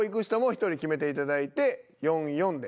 決めていただいて４：４で。